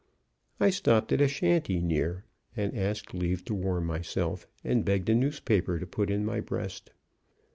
I stopped at a shanty near, and asked leave to warm myself, and begged a newspaper to put in my breast.